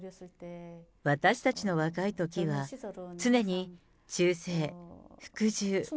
私たちの若いときは、常に忠誠、服従。